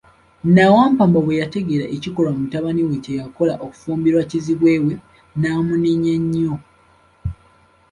Nnawampamba bwe yategeera ekikolwa mutabani we kye yakola okufumbirwa kizibwe we, n'amunenya nnyo.